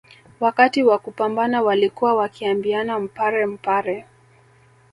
Wakati wa kupambana walikuwa wakiambiana mpare mpare